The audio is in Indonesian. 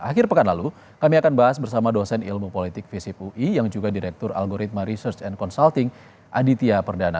akhir pekan lalu kami akan bahas bersama dosen ilmu politik visip ui yang juga direktur algoritma research and consulting aditya perdana